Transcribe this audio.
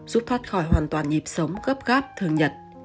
giúp thoát khỏi hoàn toàn nhịp sống gấp gáp thương nhật